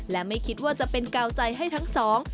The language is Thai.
และไม่คิดว่าจะเป็นกาวใจให้ทั้งสอง